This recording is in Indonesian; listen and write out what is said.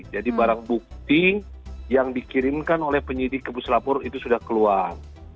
jadi barang bukti yang dikirimkan oleh penyidik ke pus rapor itu sudah keluar